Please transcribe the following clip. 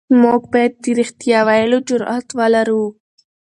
موږ بايد د رښتيا ويلو جرئت ولرو.